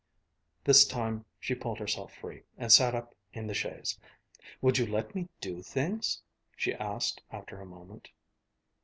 This time she pulled herself free and sat up in the chaise. "Would you let me do things?" she asked after a moment.